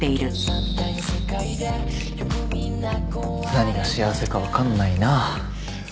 何が幸せかわかんないな。